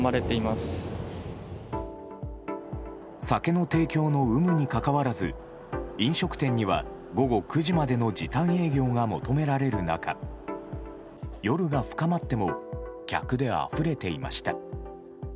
酒の提供の有無にかかわらず飲食店には午後９時までの時短営業が求められる中夜が深まっても客であふれていました。